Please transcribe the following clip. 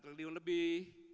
satu triliun lebih